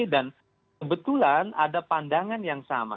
dan kebetulan ada pandangan yang sama